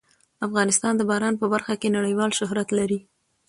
افغانستان د باران په برخه کې نړیوال شهرت لري.